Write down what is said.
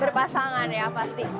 berpasangan ya pasti